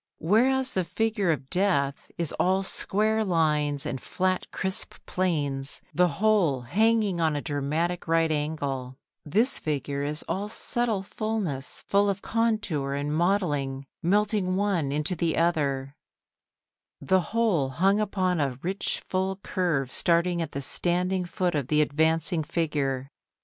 Whereas the figure of Death is all square lines and flat crisp planes, the whole hanging on a dramatic right angle; this figure is all subtle fullness both of contour and modelling melting one into the other, the whole hung upon a rich full curve starting at the standing foot of the advancing figure.